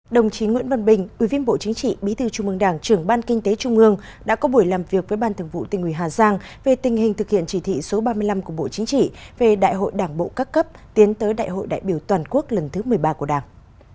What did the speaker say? đồng chí nguyễn văn bình ủy viên bộ chính trị bí thư trung mương đảng trưởng ban kinh tế trung ương đã có buổi làm việc với ban thường vụ tình ủy hà giang về tình hình thực hiện chỉ thị số ba mươi năm của bộ chính trị về đại hội đảng bộ các cấp tiến tới đại hội đại biểu toàn quốc lần thứ một mươi ba của đảng